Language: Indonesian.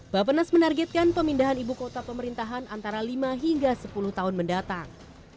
bapenas menargetkan pemindahan ibu kota pemerintahan antara lima hingga sepuluh tahun mendatang